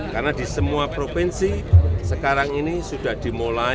karena di semua provinsi sekarang ini sudah dimulai